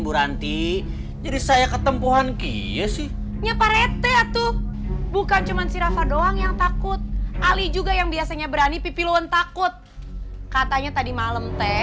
bu ranti jadi saya ketempuhan kaya sih ya pak rt atuh bukan cuman si rafa doang yang takut ali juga yang biasanya berani pipi loen takut katanya tadi malem teh